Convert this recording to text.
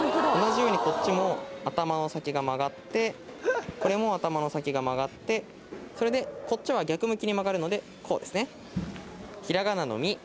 同じようにこっちも頭の先が曲がってこれも頭の先が曲がってそれでこっちは逆向きに曲がるのでこうですね。